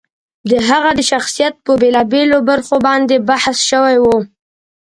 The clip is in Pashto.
د هغه د شخصیت په بېلا بېلو برخو باندې بحث شوی و.